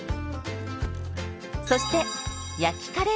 そして焼きカレーパンも。